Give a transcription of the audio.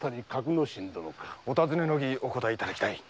お尋ねの儀お答えいただきたい。